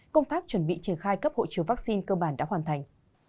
công tác chuẩn bị triển khai cấp hộ chiếu vaccine cơ bản đã hoàn thành